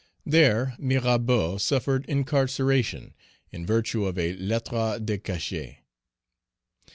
There Mirabeau suffered incarceration, in virtue of a lettre de cachet.